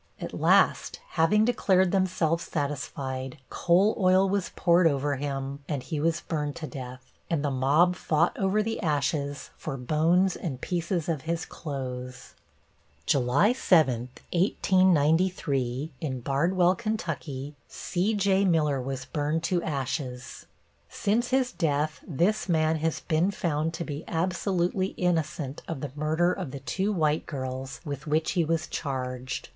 At last, having declared themselves satisfied, coal oil was poured over him and he was burned to death, and the mob fought over the ashes for bones and pieces of his clothes. July 7, 1893, in Bardwell, Ky., C.J. Miller was burned to ashes. Since his death this man has been found to be absolutely innocent of the murder of the two white girls with which he was charged.